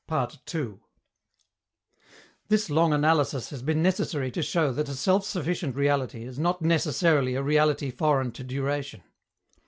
This long analysis has been necessary to show that a self sufficient reality is not necessarily a reality foreign to duration.